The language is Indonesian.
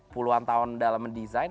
puluhan tahun dalam mendesain